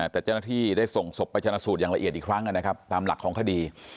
แต่เจ้าหน้าที่ได้ส่งศพไปชนะสูตรอย่างละเอียดอีกครั้งนะครับตามหลักของคดี